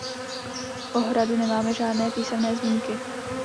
O hradu nemáme žádné písemné zmínky.